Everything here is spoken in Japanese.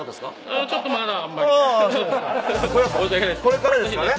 これからですからね。